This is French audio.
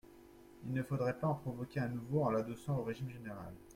Il ne faudrait pas en provoquer un nouveau en l’adossant au régime général.